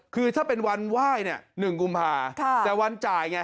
คือถ้าเป็นวันไหว้๑กุมภาคมแต่วันจ่าย